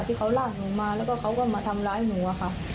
ที่เขาลากหนูมาแล้วก็เขาก็มาทำร้ายหนูอะค่ะ